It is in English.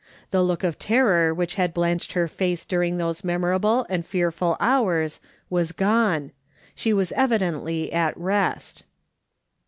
The look of terror which had blanched her face during those memorable and fearful hours, was gone. She was evidently at rest.